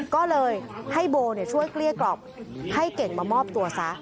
ก็เลยให้โบช่วยเกลี้ยกล่อมให้เก่งมามอบตัวซะ